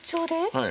はい。